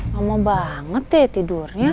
lama banget deh tidurnya